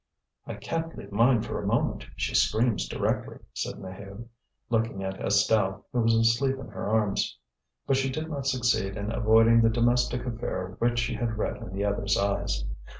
"I can't leave mine for a moment, she screams directly," said Maheude, looking at Estelle, who was asleep in her arms. But she did not succeed in avoiding the domestic affair which she had read in the other's eyes.